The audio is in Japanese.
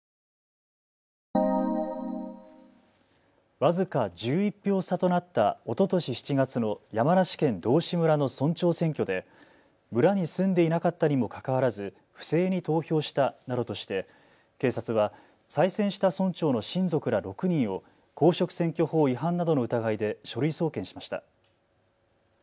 僅か１１票差となったおととし７月の山梨県道志村の村長選挙で村に住んでいなかったにもかかわらず不正に投票したなどとして警察は再選した村長の親族ら６人を公職選挙法違反などの疑いで書類送検しました。